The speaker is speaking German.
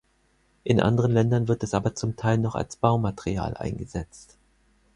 In anderen Ländern wird es aber zum Teil noch als Baumaterial eingesetzt.